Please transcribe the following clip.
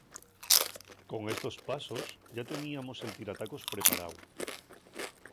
Con estos pasos yá teníamos el tiratacos preparáu.